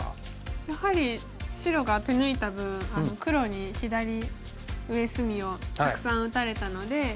やはり白が手抜いた分黒に左上隅をたくさん打たれたので。